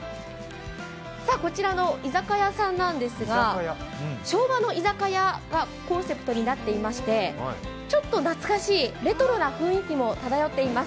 こちらの居酒屋さんなんですが昭和の居酒屋がコンセプトになっていましてちょっと懐かしいレトロな雰囲気も漂っています。